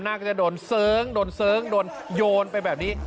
นาคก็จะโดนเสริงโดนโยนไปแบบนี้